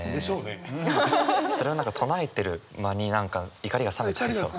それを何か唱えてる間に何か怒りが冷めちゃいそう。